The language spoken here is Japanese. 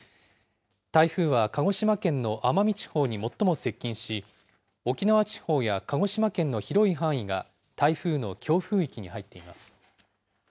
台風は鹿児島県の奄美地方に最も接近し、沖縄地方や鹿児島県の広い範囲が台風の強風域に入っています。